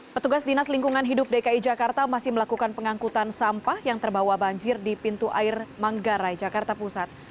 petugas dinas lingkungan hidup dki jakarta masih melakukan pengangkutan sampah yang terbawa banjir di pintu air manggarai jakarta pusat